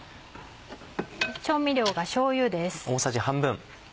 調味料がしょうゆです。